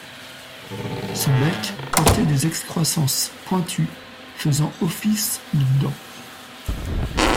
Son bec portait des excroissances pointues faisant office de dents.